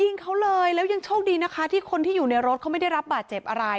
ยิงเขาเลยแล้วยังโชคดีนะคะที่คนที่อยู่ในรถเขาไม่ได้รับบาดเจ็บอะไร